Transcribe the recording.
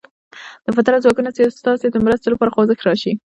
د فطرت ځواکونه ستاسې د مرستې لپاره خوځښت راشي.